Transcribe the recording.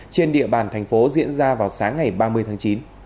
trên địa bàn thành phố diễn ra vào sáng ngày ba mươi tháng chín